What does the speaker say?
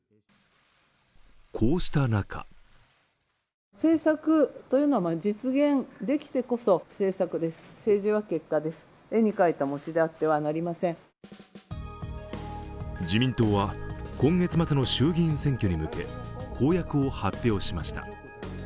こうした中自民党は今月末の衆議院選挙に向け、公約を発表しました。